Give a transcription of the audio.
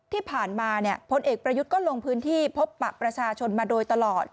ที่ผ่านมาพลเอกประยุทธ์ก็ลงพื้นที่พบปะประชาชนมาโดยตลอด